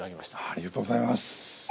ありがとうございます！